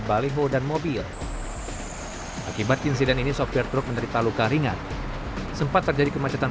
baliho dan mobil akibat insiden ini sopir truk menderita luka ringan sempat terjadi kemacetan